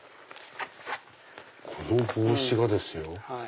この帽子がですよ